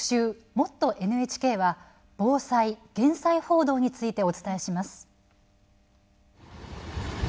「もっとＮＨＫ」は防災・減災報道についてお伝えします。